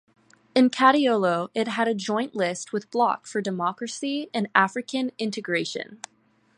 In Kadiolo it had a joint list with Bloc for Democracy and African Integration.